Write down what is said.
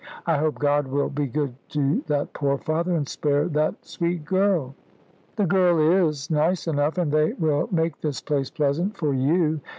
I hope God will be good to that poor father, and spare that sweet girl." "The girl is nice enough, and they will make this place pleasant for you.